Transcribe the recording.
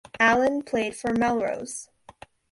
Allan played for Melrose.